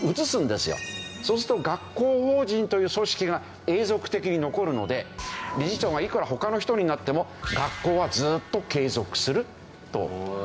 そうすると学校法人という組織が永続的に残るので理事長がいくら他の人になっても学校はずっと継続するとそうなるわけですよね。